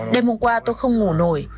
đêm hôm qua tôi không ngủ nổi